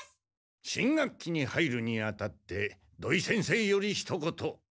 新学期に入るにあたって土井先生よりひと言。